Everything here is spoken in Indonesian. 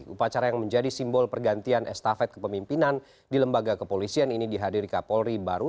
upacara yang menjadi simbol pergantian estafet kepemimpinan di lembaga kepolisian ini dihadiri kapolri baru